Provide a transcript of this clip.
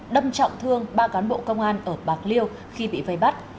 đâm trọng thương ba cán bộ công an ở bạc liêu khi bị vây bắt